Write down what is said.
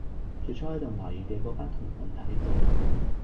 最初喺度埋怨嘅嗰班同伴睇到